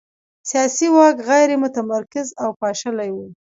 سیاسي واک غیر متمرکز او پاشلی و.